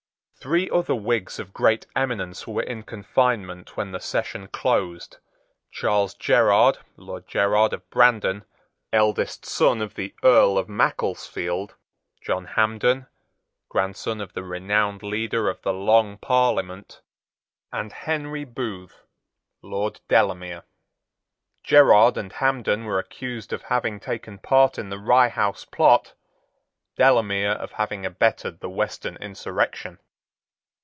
Three other Whigs of great eminence were in confinement when the session closed, Charles Gerard, Lord Gerard of Brandon, eldest son of the Earl of Macclesfield, John Hampden, grandson of the renowned leader of the Long Parliament, and Henry Booth, Lord Delamere. Gerard and Hampden were accused of having taken part in the Rye House Plot: Delamere of having abetted the Western insurrection.